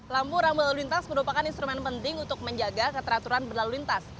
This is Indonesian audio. lampu rambu lalu lintas merupakan instrumen penting untuk menjaga keteraturan berlalu lintas